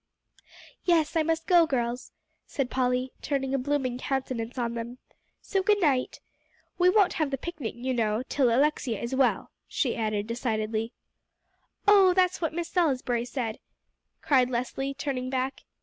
"Yes, I must go, girls," said Polly, turning a blooming countenance on them; "so good night. We won't have the picnic, you know, till Alexia is well," she added decidedly. "Oh, that's what Miss Salisbury said," cried Leslie, turning back.